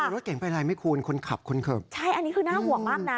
รถเก่งเป็นอะไรไหมคุณคนขับคนขับใช่อันนี้คือน่าห่วงมากนะ